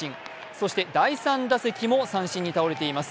そして、第３打席も三振に倒れています。